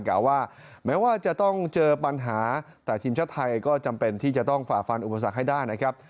กล่าวว่าแม้ว่าจะต้องเจอปัญหาแต่ทีมชาติไทยก็จำเป็นที่จะต้องฝ่าฟันอุปสรรคให้ได้นะครับ